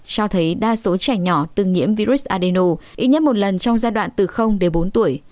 cho thấy đa số trẻ nhỏ từng nhiễm virus adeno ít nhất một lần trong giai đoạn từ đến bốn tuổi